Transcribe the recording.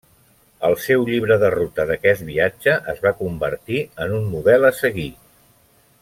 El seu llibre de ruta d'aquest viatge es va convertir en un model a seguir.